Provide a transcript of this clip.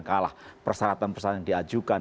kalah persyaratan persyaratan yang diajukan